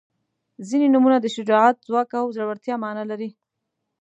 • ځینې نومونه د شجاعت، ځواک او زړورتیا معنا لري.